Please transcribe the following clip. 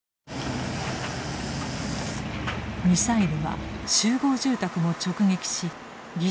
ミサイルは集合住宅も直撃し犠牲者を出しました。